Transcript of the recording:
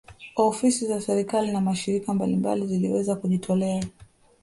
Ofisi za serikali na mashirika mbalimbali ziliweza kujitolea